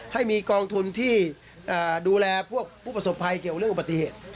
ให้มีกองทุนที่ดูแลพวกผู้ประสบภัยเกี่ยวกับเรื่องอุบัติเหตุ